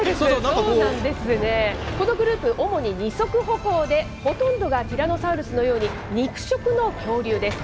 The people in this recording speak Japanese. そうなんですね、このグループ、主に二足歩行でほとんどがティラノサウルスのように肉食の恐竜です。